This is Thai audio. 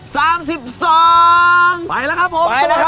ไปแล้วครับผมไปแล้วครับสวัสดีครับ